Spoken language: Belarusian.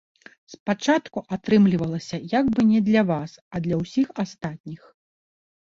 Спачатку атрымлівалася як бы не для вас, а для ўсіх астатніх.